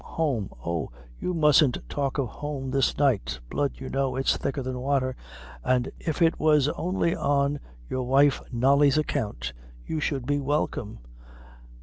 Home! oh, you mustn't talk of home this night. Blood, you know, is thicker than wather, an' if it was only on your wife Nolly's account, you should be welcome.